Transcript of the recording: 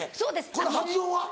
この発音は？